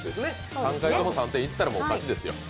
３回とも３点いったら勝ちですよ。